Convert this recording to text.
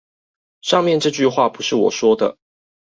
上面這句話不是我說的